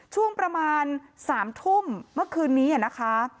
ช่วงประมาณ๓ทุ่มเมื่อคืนนี้นะคะ